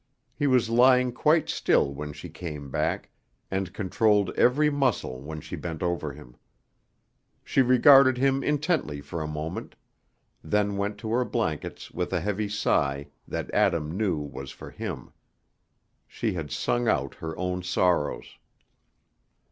He was lying quite still when she came back, and controlled every muscle when she bent over him. She regarded him intently for a moment, then went to her blankets with a heavy sigh that Adam knew was for him. She had sung out her own sorrows.